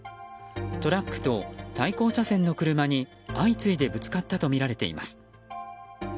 トラックと対向車線の車に相次いでぶつかったとみられています。